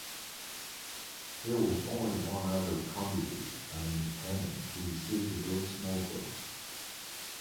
There was only one other candidate, an independent, who received a very small vote.